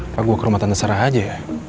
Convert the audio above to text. apa gue ke rumah tante sarah aja ya